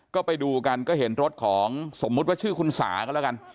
ก็ไปดูกันก็เห็นรถของสมมุติว่าชื่อคุณสาก็แล้วกัน